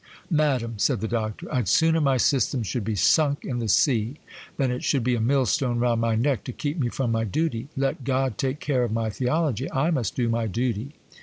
'Madam,' said the Doctor, 'I'd sooner my system should be sunk in the sea than it should be a millstone round my neck to keep me from my duty. Let God take care of my theology; I must do my duty.